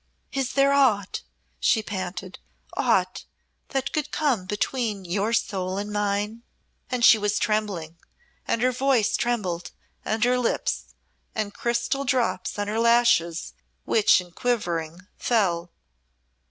"Is there aught," she panted, "aught that could come between your soul and mine?" And she was trembling, and her voice trembled and her lips, and crystal drops on her lashes which, in quivering, fell.